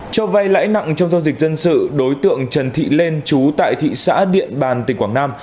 cho vay lãi nặng trong giao dịch dân sự đối tượng trần thị lên chú tại thị xã điện bàn tỉnh quảng nam